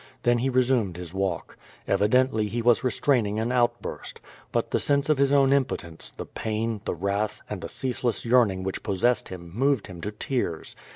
Then he re sumed his walk. Evidently he was restraining an outburst. But the sense of his own impotence, the pain, the wrath and the ceaseless yearning which possessed him moved him to tears.